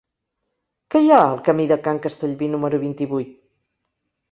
Què hi ha al camí de Can Castellví número vint-i-vuit?